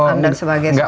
anda sebagai seorang